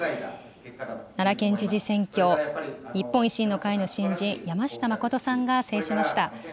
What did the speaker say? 奈良県知事選挙、日本維新の会の新人、山下真さんが制しました。